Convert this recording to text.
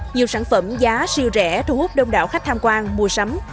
nhiều sản phẩm giá siêu rẻ thu hút đông đảo khách tham quan mua sắm